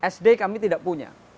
sd kami tidak punya